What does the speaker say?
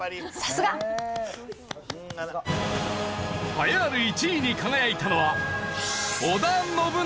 栄えある１位に輝いたのは。